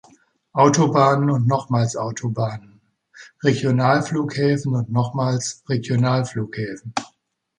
Autobahnen und nochmals Autobahnen, Regionalflughäfen und nochmals Regionalflughäfen.